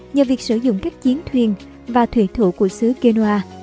nhờ việc sử dụng các chiến thuyền và thủy thủ của xứ genoa